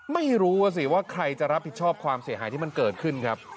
ไม่รู้ว่าสิว่าใครจะรับผิดชอบความเสียหายที่มันเกิดขึ้นครับ